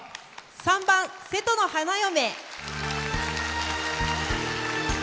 ３番「瀬戸の花嫁」。